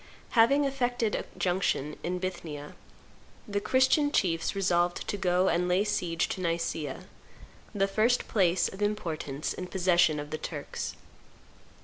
Having effected a junction in Bithynia, the Christian chiefs resolved to go and lay siege to Nicaea, the first place, of importance, in possession of the Turks.